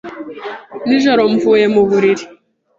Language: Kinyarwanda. Nijoro mvuye mu buriri.